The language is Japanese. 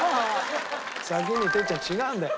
先に哲っちゃん違うんだよ。